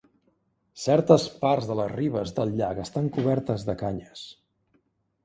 Certes parts de les ribes del llac estan cobertes de canyes.